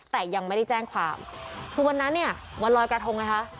แต่ยังไม่ได้แจ้งความคือวันนั้นเนี่ยวันลอยกระทงไงคะ